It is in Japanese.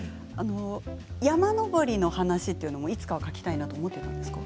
山登りの話というのはいつかは書きたいと思っていたんですか。